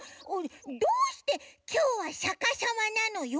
どうしてきょうはさかさまなのよ？